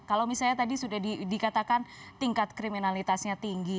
kalau misalnya tadi sudah dikatakan tingkat kriminalitasnya tinggi